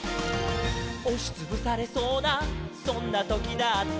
「おしつぶされそうなそんなときだって」